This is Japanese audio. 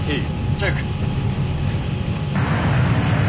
チェック。